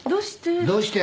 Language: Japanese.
どうして？